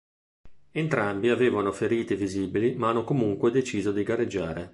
Entrambi avevano ferite visibili ma hanno comunque deciso di gareggiare.